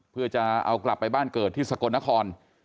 เพื่อจะเอากลับไปบ้านเกิดที่สกลนคร